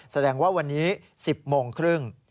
แสดงว่าวันนี้๑๐โมงครึ่ง